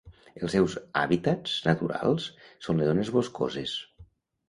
Els seus hàbitats naturals són les zones boscoses.